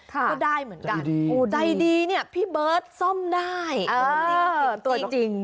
ก็ได้เหมือนกันใจดีนี่พี่เบิร์ตซ่อมได้จริง